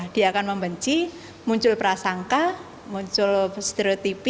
dia akan membenci muncul prasangka muncul stereotipi